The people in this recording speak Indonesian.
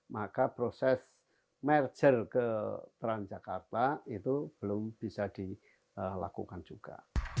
maka proses merger ke transjakarta itu belum bisa dilakukan juga